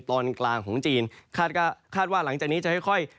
ตอนกลางของจีนคาดว่าหลังจากนี้จะค่อย